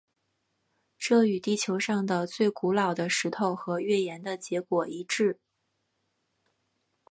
这与地球上的最古老的石头和月岩的结果一致。